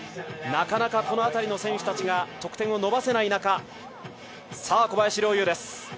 なかなかこの辺りの選手たちが得点を伸ばせない中、小林陵侑です。